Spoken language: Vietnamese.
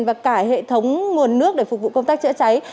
và cả hệ thống nguồn nước để phục vụ công tác chữa cháy